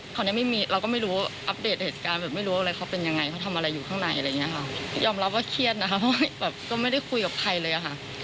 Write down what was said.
ยอมรับว่าเครียดนะครับเพราะว่าแบบก็ไม่ได้คุยกับใครเลยอะค่ะ